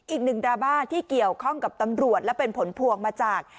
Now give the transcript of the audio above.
ดราม่าที่เกี่ยวข้องกับตำรวจและเป็นผลพวงมาจาก